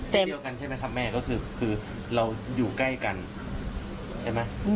เดียวกันใช่ไหมครับแม่ก็คือเราอยู่ใกล้กันใช่ไหม